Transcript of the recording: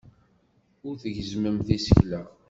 Ur tgezzmemt isekla.